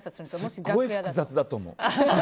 すごい複雑だと思う。